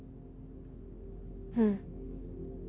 うん。